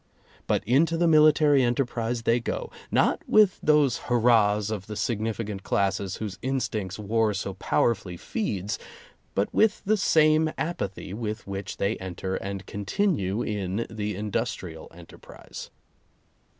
But into the military enterprise they go, not with those hurrahs of the significant classes whose instincts war so power fully feeds, but with the same apathy with which they enter and continue in the industrial enter prise.